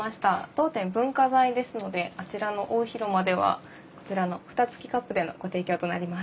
当店文化財ですのであちらの大広間ではこちらの蓋つきカップでのご提供となります。